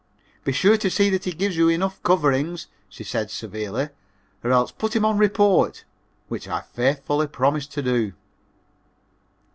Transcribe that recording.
"Be sure to see that he gives you enough coverings," she said severely, "or else put him on report," which I faithfully promised to do.